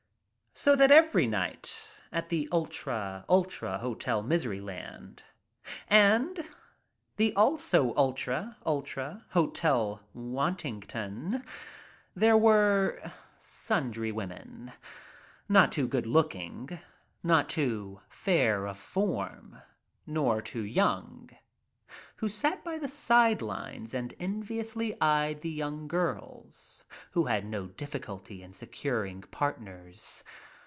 "So that every night at the ultra ultra Hotel Miseryland and the also ultra ultra Hotel Wanting ton there were sundry women, not too good look ing, not too fair of form, nor too young, who sat by the side lines and enviously eyed the young girls who had no difficulty in securing partners.